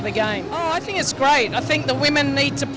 jadi kami mungkin akan melihat pertandingan